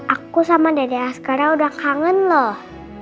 aku sama dedek askara udah kangen loh